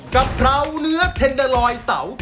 กะเพราเนื้อเทนเดอร์ลอยเตา